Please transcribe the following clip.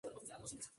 No lo parece.